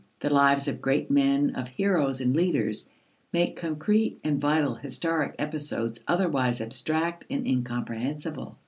The lives of great men, of heroes and leaders, make concrete and vital historic episodes otherwise abstract and incomprehensible.